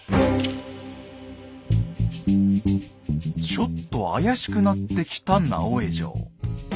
ちょっと怪しくなってきた直江状。